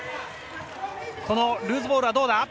ルーズボールはどうだ？